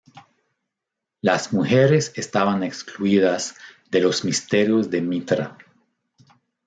Las mujeres estaban excluidas de los misterios de Mitra.